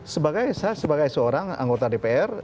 sebagai saya sebagai seorang anggota dpr